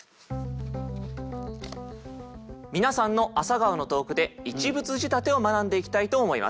皆さんの「朝顔」の投句で一物仕立てを学んでいきたいと思います。